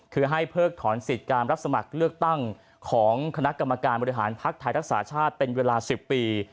คือให้เพิกถอนสิทธิ์การรับสมัครเลือกตั้งของคณะกรรมการบริหารภักดิ์ไทยรักษาชาติเป็นเวลา๑๐ปี